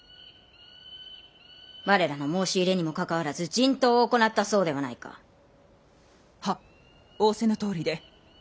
我らの申し入れにもかかわらず人痘を行ったそうではないか！は仰せのとおりで。